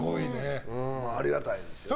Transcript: ありがたいですね。